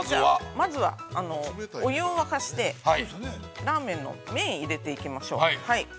◆まずは、お湯を沸かして、ラーメンの麺を入れていきましょう。